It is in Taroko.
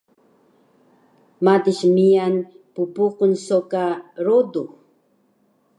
Madis miyan ppuqun so ka rodux